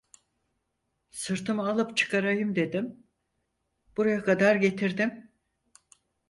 Sırtıma alıp çıkarayım dedim, buraya kadar getirdim…